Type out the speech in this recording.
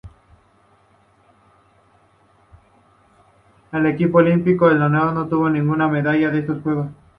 El equipo olímpico esloveno no obtuvo ninguna medalla en estos Juegos.